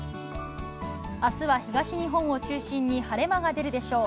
あすは東日本を中心に晴れ間が出るでしょう。